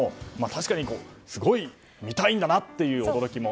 確かにすごい見たいんだなという驚きも。